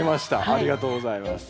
ありがとうございます。